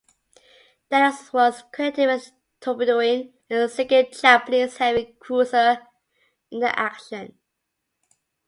"Dennis" was credited with torpedoing and sinking a Japanese heavy cruiser in that action.